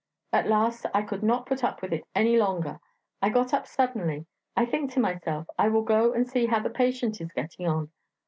At last I could not put up with it any longer; I got up suddenly; I think to myself, 'I will go and see how the patient is getting on.'